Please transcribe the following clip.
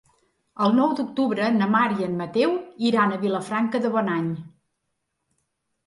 El nou d'octubre na Mar i en Mateu iran a Vilafranca de Bonany.